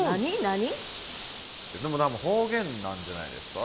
でも方言なんじゃないですか。